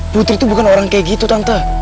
putri itu bukan orang kayak gitu tante